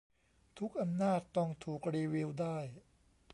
ทุกอำนาจต้องถูกรีวิวได้